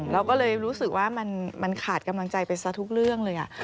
เราก็เลยรู้สึกว่ามันขาดกำลังใจไปซะทุกเรื่องเลย